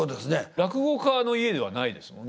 落語家の家ではないですもんね？